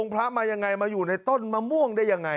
พระมายังไงมาอยู่ในต้นมะม่วงได้ยังไง